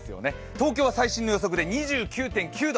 東京は最新の予測で２９．９度。